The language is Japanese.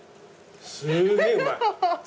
すげえうまい。